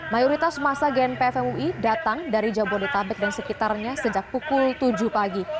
mayoritas masa gnpf mui datang dari jabodetabek dan sekitarnya sejak pukul tujuh pagi